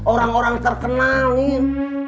orang orang terkenal nin